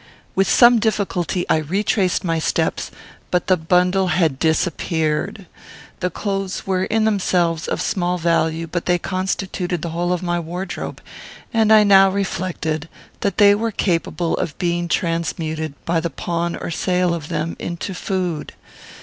With some difficulty I retraced my steps, but the bundle had disappeared. The clothes were, in themselves, of small value, but they constituted the whole of my wardrobe; and I now reflected that they were capable of being transmuted, by the pawn or sale of them, into food.